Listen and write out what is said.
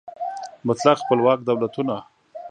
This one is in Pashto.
مطلق خپلواک دولتونه